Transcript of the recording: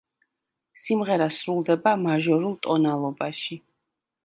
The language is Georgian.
სიმღერა სრულდება მაჟორულ ტონალობაში.